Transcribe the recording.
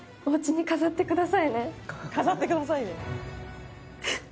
「“飾ってくださいね”」